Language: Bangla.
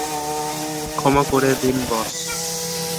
ক্ষমা করে দিন, বস।